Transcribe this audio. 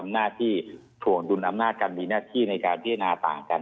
ทำหน้าที่ถวงดุลอ้ำหนาค์การมีหน้าที่ในการที่อนาธิบายต่างกัน